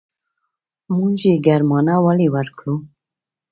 موږ يې ګرمانه ولې ورکړو.